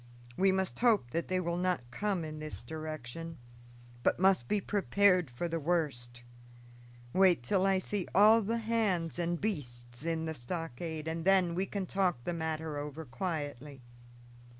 We must hope that they will not come in this direction, but must be prepared for the worst. Wait till I see all the hands and beasts in the stockade, and then we can talk the matter over quietly."